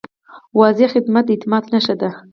واضح خدمت د اعتماد نښه ده.